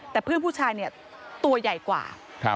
แต่เพื่อนผู้ชายเนี่ยตัวใหญ่กว่า